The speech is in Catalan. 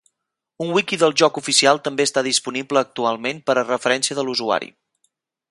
Un wiki del joc oficial també està disponible actualment per a referència de l'usuari.